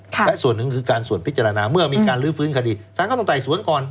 และส่วนหนึ่งคือการส่วนพิจารณาเมื่อมีการลื้อฟื้นคดีสารก็ต้องไต่สวนก่อน